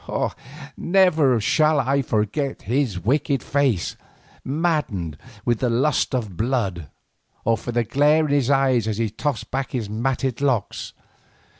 Never shall I forget his wicked face maddened with the lust for blood, or the glare in his eyes as he tossed back his matted locks.